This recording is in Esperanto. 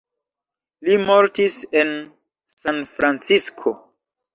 Li mortis en Sanfrancisko.